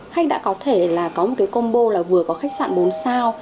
khách đã có thể có một combo vừa có khách sạn bốn sao